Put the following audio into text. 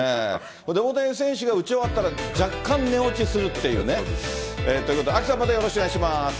大谷選手が打ち終わったら若干寝落ちするっていうね。ということで、アキさん、またよろしくお願いします。